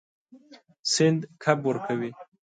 سیند کب ورکوي.